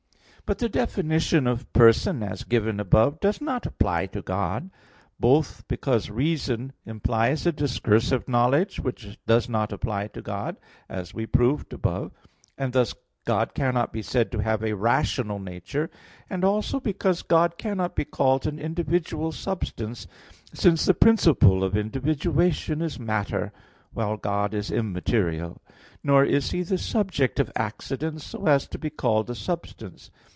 But the definition of "person," as given above, does not apply to God. Both because reason implies a discursive knowledge, which does not apply to God, as we proved above (Q. 14, A. 12); and thus God cannot be said to have "a rational nature." And also because God cannot be called an individual substance, since the principle of individuation is matter; while God is immaterial: nor is He the subject of accidents, so as to be called a substance.